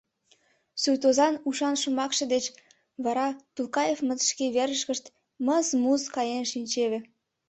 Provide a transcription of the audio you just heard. Суртозан ушан шомакше деч вара Тулкаевмыт шке верышкышт мыз-муз каен шинчеве.